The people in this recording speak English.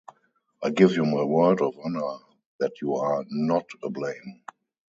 I give you my word of honor that you are not to blame.